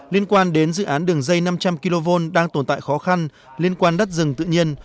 liên quan đến dự án đường dây năm trăm linh kv đang tồn tại khó khăn liên quan đất rừng tự nhiên